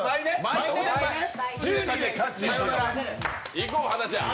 いこう、はなちゃん。